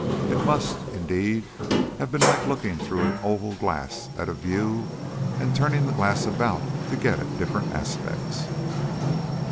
It must, indeed, have been like looking through an oval glass at a view, and turning the glass about to get at different aspects.